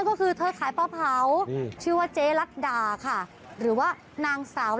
ก็คืออย่างน้อยนะไม่ถูกฆ่ากินน่ะ